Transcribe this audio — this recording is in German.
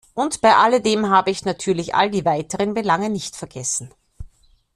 Und bei alledem habe ich natürlich all die weiteren Belange nicht vergessen.